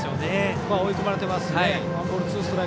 追い込まれていますね。